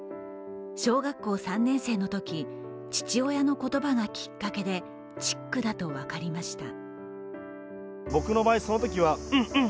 小学校３年生のとき父親の言葉がきっかけでチックだと分かりました。